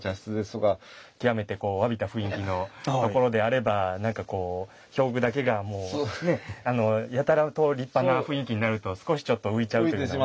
極めて侘びた雰囲気の所であれば何かこう表具だけがやたらと立派な雰囲気になると少しちょっと浮いちゃうというね。